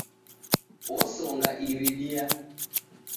Osonga iridia